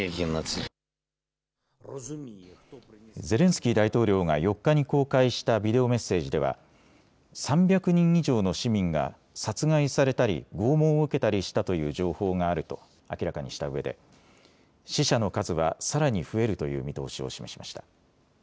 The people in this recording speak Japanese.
ゼレンスキー大統領が４日に公開したビデオメッセージでは３００人以上の市民が殺害されたり拷問を受けたりしたという情報があると明らかにしたうえで死者の数はさらに増えるという見通しを示しました。